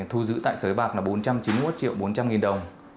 thu giữ tại sới bạc là bốn trăm chín mươi một triệu bốn trăm linh nghìn đồng